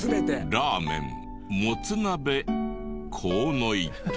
ラーメンもつ鍋こうのいけ。